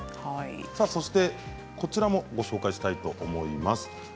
そしてこちらもご紹介したいと思います。